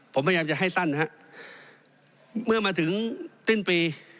ตอนนี้ผมจะให้สั้นนะครับเมื่อมาถึงติ้นปี